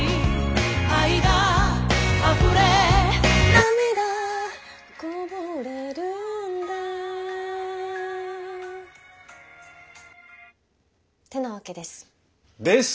涙こぼれるんだってなわけです。です！